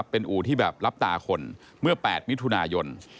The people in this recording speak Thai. เป็นอู่ที่รับตาคนเมื่อ๘มิย